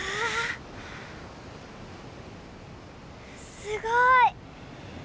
すごい！